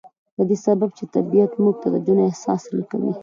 په دې سبب چې طبيعت موږ ته د ژوند احساس را کوي.